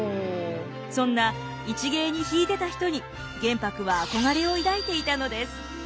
そんな一芸に秀でた人に玄白は憧れを抱いていたのです。